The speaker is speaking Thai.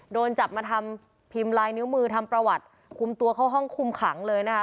โดนจับมาทำพิมพ์ลายนิ้วมือทำประวัติคุมตัวเข้าห้องคุมขังเลยนะคะ